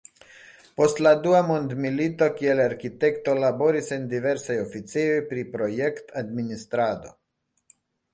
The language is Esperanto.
Post la dua mondmilito kiel arkitekto laboris en diversaj oficejoj pri projekt-administrado.